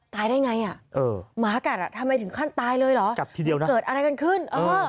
ตายได้ไงอ่ะหมากัดทำไมถึงขั้นตายเลยเหรอเกิดอะไรกันขึ้น